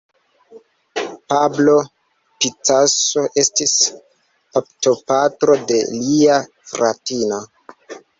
Pablo Picasso estis baptopatro de lia fratino.